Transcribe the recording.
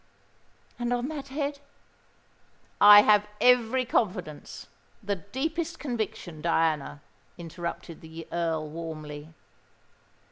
"And on that head——" "I have every confidence—the deepest conviction, Diana," interrupted the Earl, warmly.